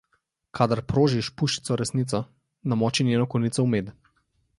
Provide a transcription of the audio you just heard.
Kadar prožiš puščico resnico, namoči njeno konico v med.